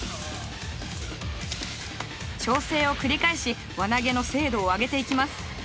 調整を繰り返し輪投げの精度を上げていきます。